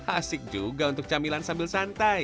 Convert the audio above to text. asik juga untuk camilan sambil santai